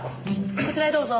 こちらへどうぞ。